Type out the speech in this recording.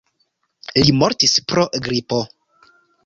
Li mortis pro gripo.